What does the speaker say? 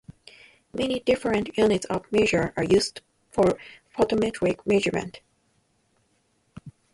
Many different units of measure are used for photometric measurements.